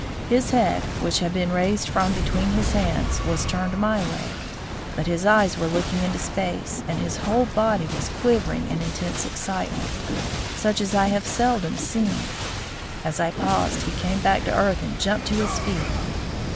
His head, which he had raised from between his hands, was turned my way, but his eyes were looking into space and his whole body was quivering in intense excitement, such as I have seldom seen. As I paused, he came back to earth and jumped to his feet.